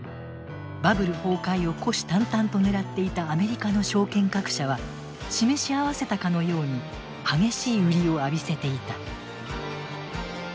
バブル崩壊を虎視眈々と狙っていたアメリカの証券各社は示し合わせたかのように激しい売りを浴びせていた。